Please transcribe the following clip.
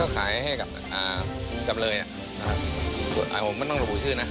ก็ขายให้กับคุณจำเลยไม่ต้องรู้ชื่อนะ